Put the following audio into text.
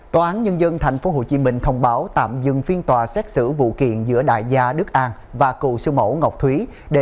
tòa án nhân dân tp hcm thông báo tạm dừng phiên tòa xét xử vụ kiện giữa đại gia đức an và cựu siêu mẫu ngọc thúy